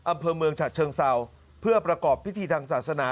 อำเภอเมืองฉะเชิงเศร้าเพื่อประกอบพิธีทางศาสนา